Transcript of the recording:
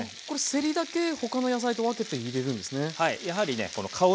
これせりだけ他の野菜と分けて入れるんですね。